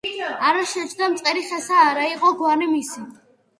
არა შეჯდა მწყერი ხესა, არა იყო გვარი მისი